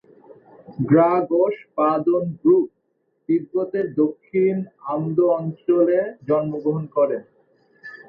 গ্রাগ্স-পা-দোন-গ্রুব তিব্বতের দক্ষিণ আমদো অঞ্চলে জন্মগ্রহণ করেন।